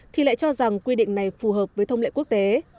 thì lại cho rằng quy định này phù hợp với thông lệ quốc tế